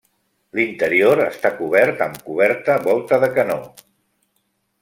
L'interior està cobert amb coberta volta de canó.